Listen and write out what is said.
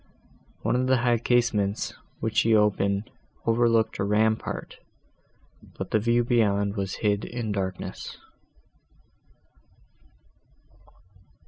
One of the high casements, which she opened, overlooked a rampart, but the view beyond was hid in darkness.